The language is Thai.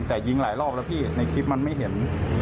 แต่ยิงหลายรอบแล้วพี่ในคลิปมันไม่เห็น